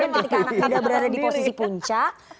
dan ketika anak anak muda berada di posisi punca